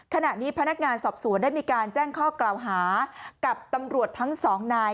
ขณะนี้พนักงานสอบสวนได้มีการแจ้งข้อกล่าวหากับตำรวจทั้งสองนาย